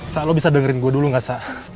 saya lo bisa dengerin gue dulu gak sa